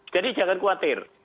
jadi jangan khawatir